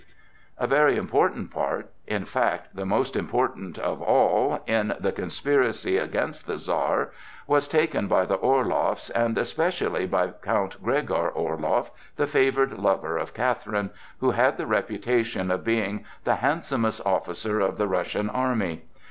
A very important part, in fact the most important of all, in the conspiracy against the Czar, was taken by the Orloffs, and especially by Count Gregor Orloff, the favored lover of Catherine, who had the reputation of being the handsomest officer of the Russian army.